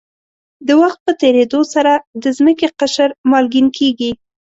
د وخت په تېرېدو سره د ځمکې قشر مالګین کېږي.